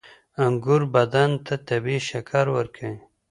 • انګور بدن ته طبیعي شکر ورکوي.